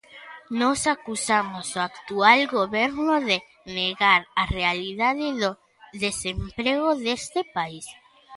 Nós acusamos o actual Goberno de negar a realidade do desemprego deste país.